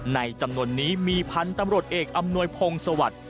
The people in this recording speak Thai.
ในจำนวนนี้มีพันธุ์ตำรวจเอกอำนวยพงศวรรค